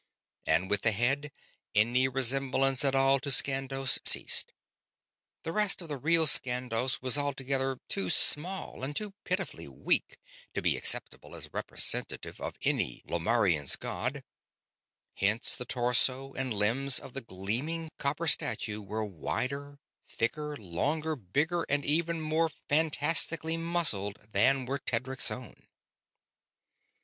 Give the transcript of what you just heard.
And with the head, any resemblance at all to Skandos ceased. The rest of the real Skandos was altogether too small and too pitifully weak to be acceptable as representative of any Lomarrian's god; hence the torso and limbs of the gleaming copper statue were wider, thicker, longer, bigger, and even more fantastically muscled than were Tedric's own.